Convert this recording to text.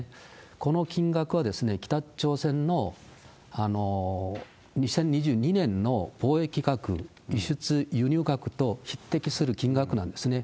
この金額は、北朝鮮の２０２２年の貿易額、輸出・輸入額と匹敵する金額なんですね。